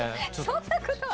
そんなことは。